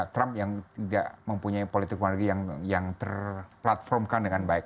trump yang tidak mempunyai politik yang terplatformkan dengan baik